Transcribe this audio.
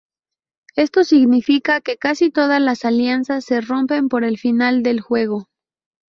Esto significa que casi todas las alianzas se rompen por el final del juego.